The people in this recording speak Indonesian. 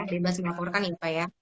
bebas dilaporkan ya pak ya